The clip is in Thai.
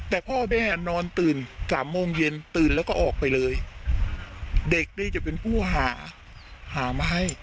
แต่พ่อแม่นอนตื่นสามโมงเย็นตื่นแล้วก็ออกไปเลยเด็กนี่จะเป็นผู้หาหามาให้